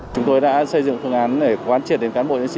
chúng tôi đã xây dựng thương án để quán triển đến cán bộ nhân sĩ